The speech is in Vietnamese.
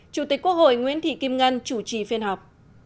chủ tịch quốc hội nguyễn thị kim ngân chủ trì phiên họp